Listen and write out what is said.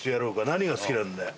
何が好きなんだよ。